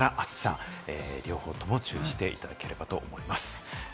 当分は大雨と暑さ、両方とも注意していただければと思います。